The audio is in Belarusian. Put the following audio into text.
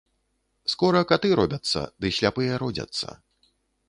Скора каты робяцца, ды сляпыя родзяцца